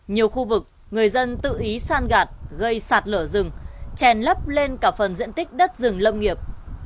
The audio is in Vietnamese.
nhiều khu vực người dân tự ý san gạt gây sạt lở rừng chèn lấp lên cả phần diện tích đất rừng lâm nghiệp